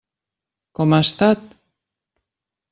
Com ha estat?